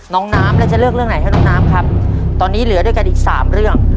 น้องน้ำแล้วจะเลือกเรื่องไหนให้น้องน้ำครับตอนนี้เหลือด้วยกันอีกสามเรื่อง